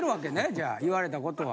じゃあ言われたことは。